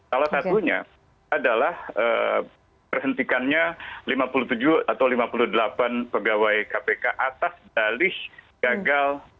salah satunya adalah berhentikannya lima puluh tujuh atau lima puluh delapan pegawai kpk atas dalih gagal